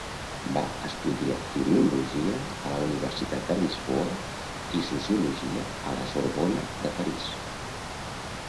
Va estudiar filologia a la Universitat de Lisboa i sociologia a la Sorbona de París.